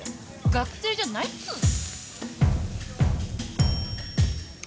学生じゃないっつうの。